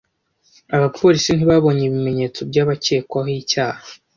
Abapolisi ntibabonye ibimenyetso by’abakekwaho icyaha.